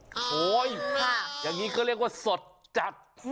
โอ้โหอย่างนี้ก็เรียกว่าสดจัด